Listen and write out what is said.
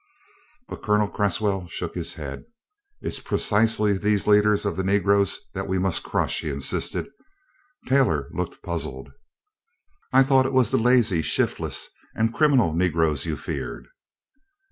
But Colonel Cresswell shook his head. "It's precisely these leaders of the Negroes that we mush crush," he insisted. Taylor looked puzzled. "I thought it was the lazy, shiftless, and criminal Negroes, you feared?"